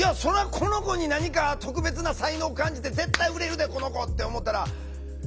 この子に何か特別な才能を感じて「絶対売れるでこの子」って思ったらかけようかって思いますもんね。